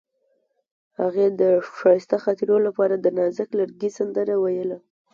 هغې د ښایسته خاطرو لپاره د نازک لرګی سندره ویله.